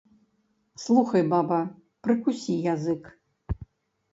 Слухай, баба, прыкусі язык.